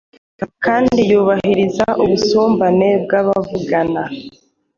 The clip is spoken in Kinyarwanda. kandi yubahiriza ubusumbane bw’abavugana